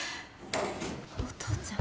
お父ちゃん。